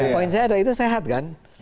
poin saya adalah itu sehat kan